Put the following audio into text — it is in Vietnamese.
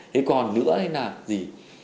thế còn nữa thế nào